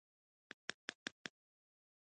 بختور یې چې په ځوانۍ کې د خدای کور ته روان یې.